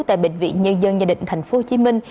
tại bệnh viện nhân dân gia đình tp hcm